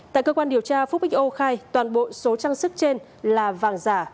tại cơ quan điều tra phúc xo khai toàn bộ số trang sức trên là vàng giả